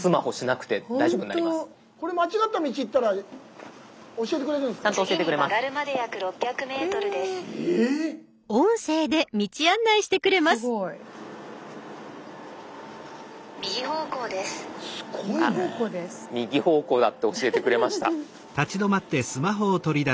あっ右方向だって教えてくれました。